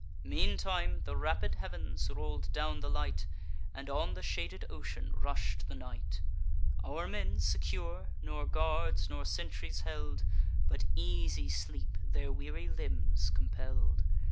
Meantime the rapid heav'ns roll'd down the light, And on the shaded ocean rush'd the night; Our men, secure, nor guards nor sentries held, But easy sleep their weary limbs compell'd.